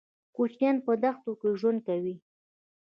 کوچيان په دښتو کې ژوند کوي.